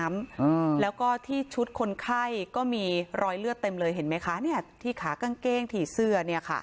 อืมแล้วก็ที่ชุดคนไข้ก็มีรอยเลือดเต็มเลยเห็นไหมคะเนี้ยที่ขากางเกงถี่เสื้อเนี่ยค่ะ